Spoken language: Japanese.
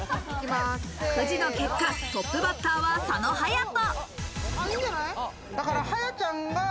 くじの結果、トップバッターは佐野勇斗。